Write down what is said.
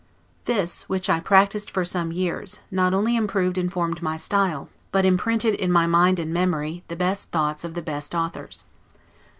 This, which I practiced for some years, not only improved and formed my style, but imprinted in my mind and memory the best thoughts of the best authors.